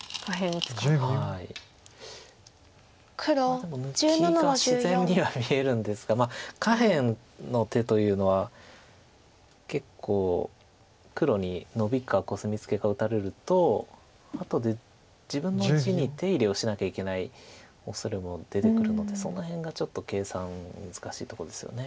抜きが自然には見えるんですが下辺の手というのは結構黒にノビかコスミツケか打たれるとあとで自分の地に手入れをしなきゃいけないおそれも出てくるのでその辺がちょっと計算難しいとこですよね。